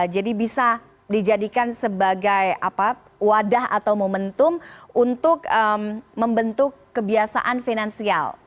jadi bisa dijadikan sebagai wadah atau momentum untuk membentuk kebiasaan finansial